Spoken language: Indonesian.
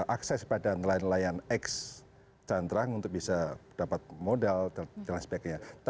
akses pada nelayan nelayan x cantrang untuk bisa dapat modal dan sebagainya